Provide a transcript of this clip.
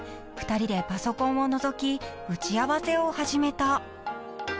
［２人でパソコンをのぞき打ち合わせを始めた］